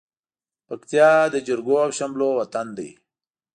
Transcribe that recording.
پکتيا د جرګو او شملو وطن دى.